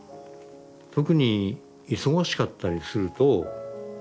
特に忙しかったりすると。